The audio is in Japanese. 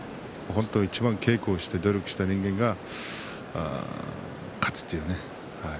いちばん稽古をして努力した人間が勝つという。